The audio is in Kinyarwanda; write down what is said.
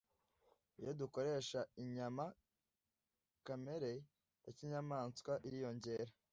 Iyo dukoresha inyama kamere ya kinyamaswa iriyongera